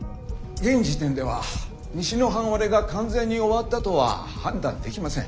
現時点では西の半割れが完全に終わったとは判断できません。